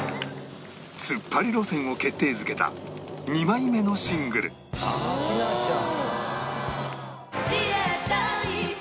ツッパリ路線を決定づけた２枚目のシングル「明菜ちゃん」